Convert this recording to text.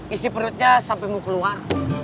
isi perutnya sampai mau keluar